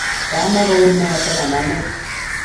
Kamuko ui notok, anan nee?